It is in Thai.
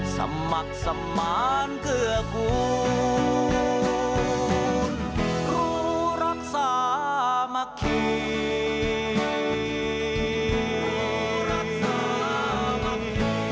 สมัครสมานเกือบวูลครูรักษามคีย์